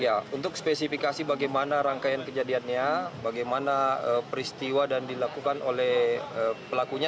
ya untuk spesifikasi bagaimana rangkaian kejadiannya bagaimana peristiwa dan dilakukan oleh pelakunya